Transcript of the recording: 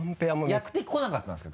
やってこなかったんですか？